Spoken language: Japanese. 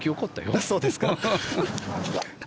そうですか。